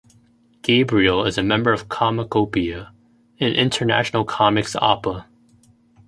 Gabriel is a member of Comicopia, an International Comics Apa.